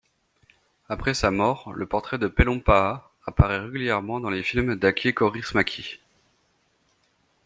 Après sa mort, le portrait de Pellonpää apparaît régulièrement dans les films d'Aki Kaurismäki.